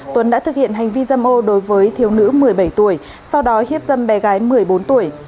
tuấn đã thực hiện hành vi dâm ô đối với thiếu nữ một mươi bảy tuổi sau đó hiếp dâm bé gái một mươi bốn tuổi